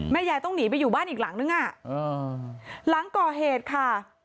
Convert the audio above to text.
ยายต้องหนีไปอยู่บ้านอีกหลังนึงหลังก่อเหตุค่ะ